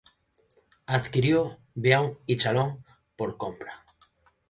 Adquirió Beaune y Chalon por compra.